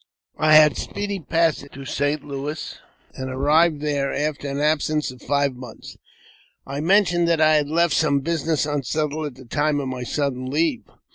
1HAD speedy passage to St. Louis, and arrived there after an absence of five months. I mentioned that I had left some business unsettled at the time of my sudden leave.